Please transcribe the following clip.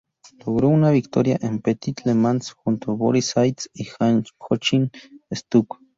Logró una victoria en Petit Le Mans junto a Boris Said y Hans-Joachim Stuck.